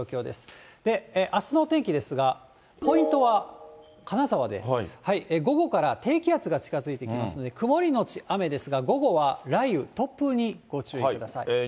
で、あすのお天気ですが、ポイントは金沢で、午後から低気圧が近づいてきますので、曇りのち雨ですが、午後は雷雨、突風にご注意ください。